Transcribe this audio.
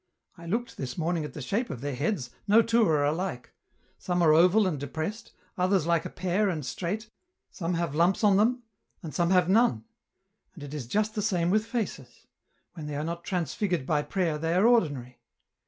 I looked this morning at the shape of their heads, no two are alike. Some are oval and depressed, others like a pear and straight, some have lumps on them, and some have none ; and it is just the same with faces ; when they are not transfigured by prayer they are ordinary.